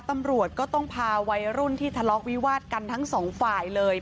ตำรวจก็ต้องพาวัยรุ่นที่ทะเลาะวิวาดกันทั้งสองฝ่ายเลย